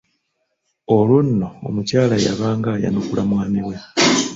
Olwo nno omukyala yabanga ayanukula mwami we.